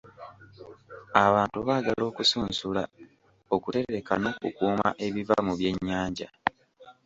Abantu baagala okusunsula, okutereka n'okukuuma ebiva mu byennyanja.